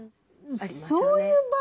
そういう場合